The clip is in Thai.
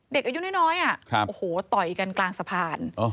เด็กอายุน้อยโอ้โหต่อยกันกลางสะพาน